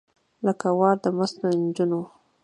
لکه ورا د مستو نجونو